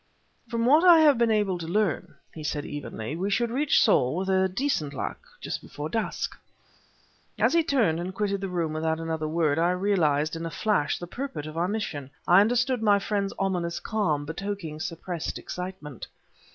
"From what I have been able to learn," he said, evenly, "we should reach Saul, with decent luck, just before dusk." As he turned, and quitted the room without another word, I realized, in a flash, the purport of our mission; I understood my friend's ominous calm, betokening suppressed excitement.